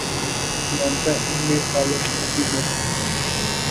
چنانچہ ان میں صالحین بھی موجود ہیں